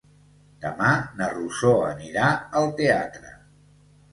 Demà na Rosó anirà al teatre.